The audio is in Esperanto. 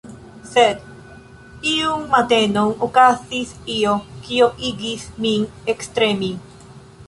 Sed iun matenon okazis io, kio igis min ektremi.